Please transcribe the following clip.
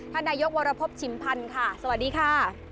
ท่านนายกวรพบชิมพันธ์ค่ะสวัสดีค่ะ